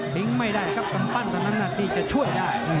ลิงก์ไม่ได้ครับตั้งปั้นตั้งน้ำหนักที่จะช่วยได้